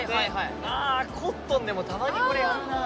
あコットンでもたまにこれやるなあ・